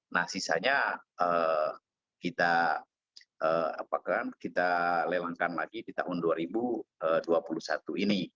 nah sisanya kita lelangkan lagi di tahun dua ribu dua puluh satu ini